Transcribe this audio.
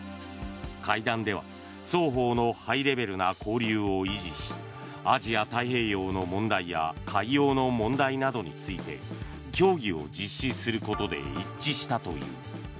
会談では双方のハイレベルな交流を維持しアジア太平洋の問題や海洋の問題などについて協議を実施することで一致したという。